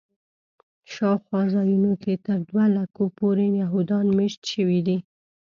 شاوخوا ځایونو کې تر دوه لکو پورې یهودان میشت شوي دي.